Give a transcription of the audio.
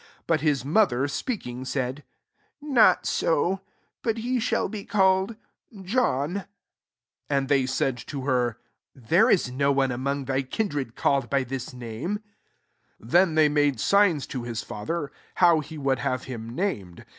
60 But his mother speuM ingy saidy *^ Mht bo; but he ohm be called John. 61 And they Mi tohery << There is no oneamoni thy kindred called by this name} 63 Then they made signo I hie fathery how he would tev hkn named.